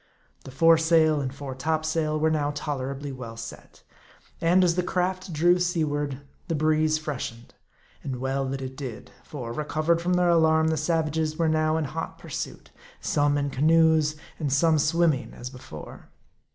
The foresail and fore topsail were now tolerably well set ; and as the craft drew seaward, the breeze freshened. And well that it did ; for, recovered from their alarm, the sav , ages were now in hot pursuit ; some in canoes, and some swimming as before.